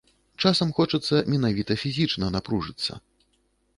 Часам хочацца менавіта фізічна напружыцца.